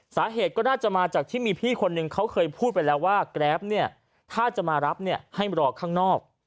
สาเหตุก็น่าจะมาจากที่มีพี่คนนึงเขาเคยพูดไปแล้วว่าแกรปเนี่ยถ้าจะมารับเนี่ยให้รอข้างนอก